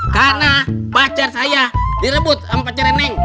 karena pacar saya direbut sama pacarnya neng